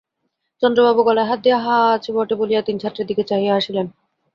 চন্দ্রবাবু গলায় হাত দিয়া হাঁ হাঁ আছে বটে বলিয়া তিন ছাত্রের দিকে চাহিয়া হাসিলেন।